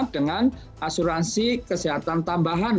dengan asuransi kesehatan tambahan